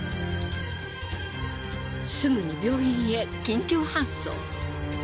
すぐに病院へ緊急搬送。